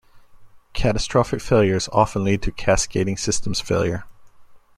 Catastrophic failures often lead to cascading systems failure.